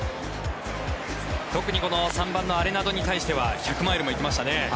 特に３番のアレナドに対しては１００マイルも行きましたね。